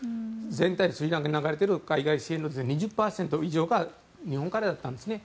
全体でスリランカに流れている海外支援、２０％以上が日本からだったんですね。